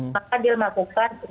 ya jadinya untuk orang orang